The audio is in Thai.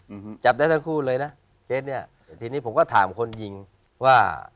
อืมจับได้ทั้งคู่เลยนะเจ๊เนี้ยทีนี้ผมก็ถามคนยิงว่า